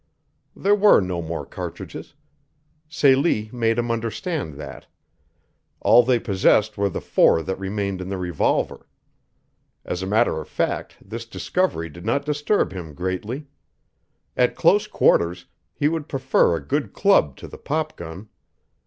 There were no more cartridges. Celie made him understand that. All they possessed were the four that remained in the revolver. As a matter of fact this discovery did not disturb him greatly. At close quarters he would prefer a good club to the pop gun.